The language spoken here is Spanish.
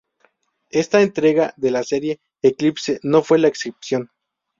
Esta entrega de la serie, Eclipse, no fue la excepción.